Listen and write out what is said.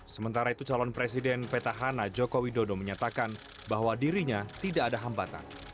sementara itu calon presiden petahana joko widodo menyatakan bahwa dirinya tidak ada hambatan